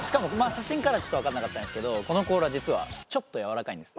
写真からはちょっと分かんなかったですけどこの甲羅実はちょっと柔らかいんです。